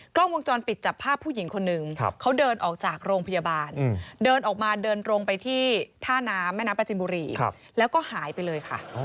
กล้องวงจรปิดจับภาพผู้หญิงคนหนึ่งเขาเดินออกจากโรงพยาบาลเดินออกมาเดินลงไปที่ท่าน้ำแม่น้ำประจินบุรีแล้วก็หายไปเลยค่ะ